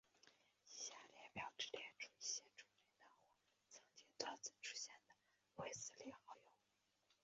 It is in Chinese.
以下列表只列出一些著名的或曾多次出现的卫斯理好友。